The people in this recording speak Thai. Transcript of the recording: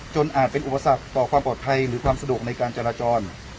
อาจเป็นอุปสรรคต่อความปลอดภัยหรือความสะดวกในการจราจร